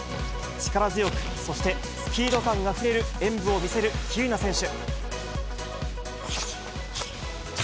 力強く、そしてスピード感あふれる演武を見せる喜友名選手。